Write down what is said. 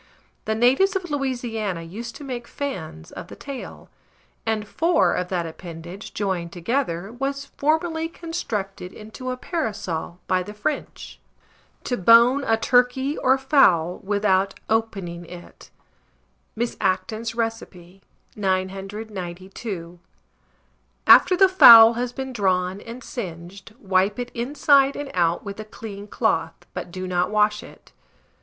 The natives of Louisiana used to make fans of the tail; and four of that appendage joined together was formerly constructed into a parasol by the French. TO BONE A TURKEY OR FOWL WITHOUT OPENING IT. (Miss Acton's Recipe.) 992. After the fowl has been drawn and singed, wipe it inside and out with a clean cloth, but do not wash it.